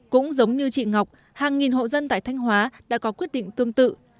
cũng giống như chị ngọc hàng nghìn hộ dân tại thanh hóa đã có quyết định tương tự